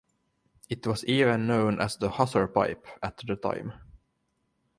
It was even known as the "Hussar pipe" at the time.